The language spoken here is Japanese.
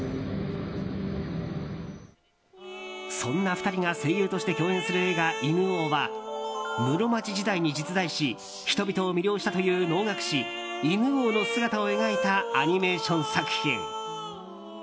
そんな２人が声優として共演する映画「犬王」は室町時代に実在し人々を魅了したという能楽師・犬王の姿を描いたアニメーション作品。